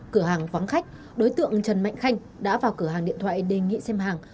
cửa hàng vắng khách đối tượng trần mạnh khanh đã vào cửa hàng điện thoại đề nghị xem hàng